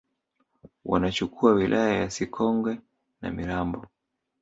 wanachukua wilaya ya Sikonge na Mirambo